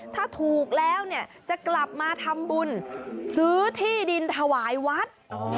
ถ้าถูกแล้วเนี่ยจะกลับมาทำบุญซื้อที่ดินถวายวัด